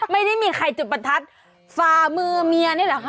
ไม่ได้มีใครจุดประทัดฝ่ามือเมียนี่แหละค่ะ